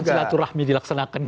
apa silaturahmi dilaksanakan